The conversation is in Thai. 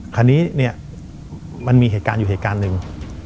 คราวนี้เนี่ยมันมีเหตุการณ์อยู่เหตุการณ์หนึ่ง